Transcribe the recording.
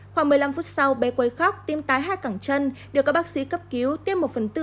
khoảng một mươi năm phút sau bé quấy khóc tiêm tái hai cẳng chân được các bác sĩ cấp cứu tiêm một phần tư